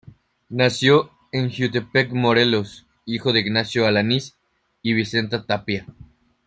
Nació en Jiutepec, Morelos, hijo de Ignacio Alanís y Vicenta Tapia.